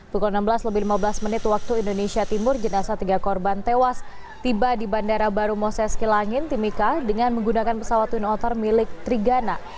pukul enam belas lebih lima belas menit waktu indonesia timur jenasa tiga korban tewas tiba di bandara baru moses kilangin timika dengan menggunakan pesawat twin otter milik trigana